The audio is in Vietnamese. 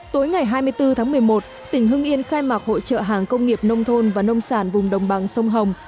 tối ngày hai mươi bốn tháng một mươi một tỉnh hưng yên khai mạc hội trợ hàng công nghiệp nông thôn và nông sản vùng đồng bằng sông hồng